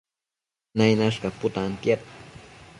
Nainash caputantiad